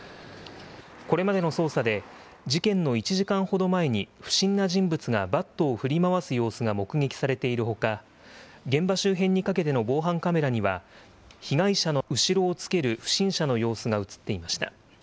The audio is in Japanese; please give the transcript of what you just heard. これまでの捜査で、事件の１時間ほど前に不審な人物がバットを振り回す様子が目撃されているほか、現場周辺にかけての防犯カメラには、被害者の後ろをつける不審者の様子が写っていました。